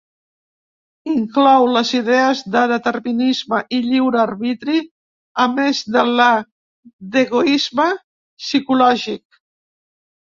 Inclou les idees de determinisme i lliure arbitri, a més de la d'egoisme psicològic.